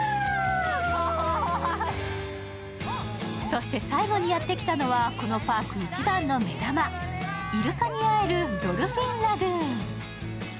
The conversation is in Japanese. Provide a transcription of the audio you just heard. そして最後にやってきたのはこのパーク一番の目玉、イルカに会えるドルフィン・ラグーン。